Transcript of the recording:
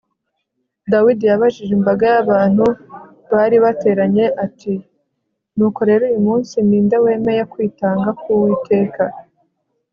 dawidi yabajije imbaga y'abantu bari bateranye ati nuko rero uyu munsi ni nde wemeye kwitanga ku uwiteka